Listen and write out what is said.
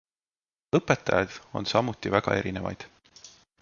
Õpetajaid on samuti väga erinevaid.